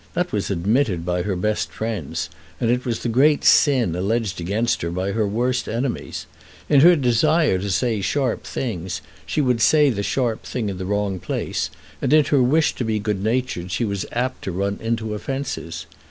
That was admitted by her best friends, and was the great sin alleged against her by her worst enemies. In her desire to say sharp things, she would say the sharp thing in the wrong place, and in her wish to be good natured she was apt to run into offences.